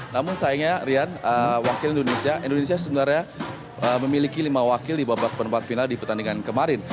namun sayangnya rian wakil indonesia indonesia sebenarnya memiliki lima wakil di babak penempat final di pertandingan kemarin